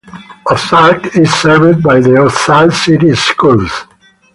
Ozark is served by the Ozark City Schools.